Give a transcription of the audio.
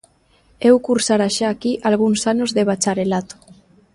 Eu cursara xa aquí algúns anos de bacharelato.